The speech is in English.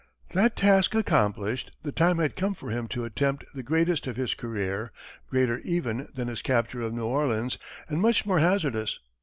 That task accomplished, the time had come for him to attempt the greatest of his career greater, even, than his capture of New Orleans, and much more hazardous.